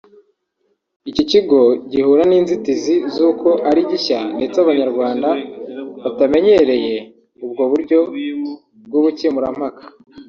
Icyo kigo gihura n’inzitizi z’uko ari gishya ndetse Abanyarwanda batamenyereye ubwo buryo bw’ubukemurampaka